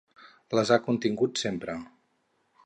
Les ha contingut sempre.